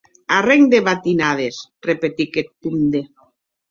Arren de badinades!, repetic eth comde.